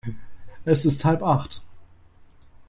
Es ist halb Acht.